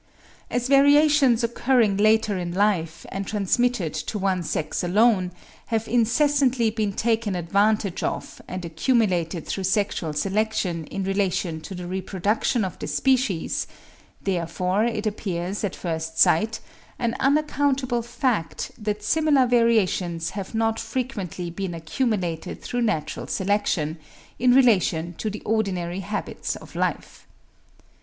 As variations occurring later in life, and transmitted to one sex alone, have incessantly been taken advantage of and accumulated through sexual selection in relation to the reproduction of the species; therefore it appears, at first sight, an unaccountable fact that similar variations have not frequently been accumulated through natural selection, in relation to the ordinary habits of life.